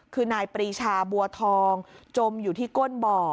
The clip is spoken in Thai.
คือนายปรีชาบัวทองจมอยู่ที่ก้นบ่อ